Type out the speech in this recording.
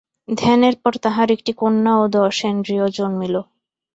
ধ্যানের পর তাঁহার একটি কন্যা ও দশ ইন্দ্রিয় জন্মিল।